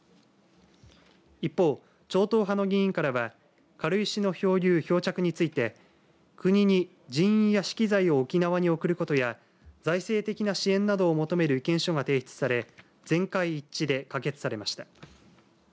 一方、超党派の議員からは軽石の漂流、漂着について国に人員や資機材を沖縄に送ることや財政的な支援などを求める意見書が提出され全会一致で可決されました。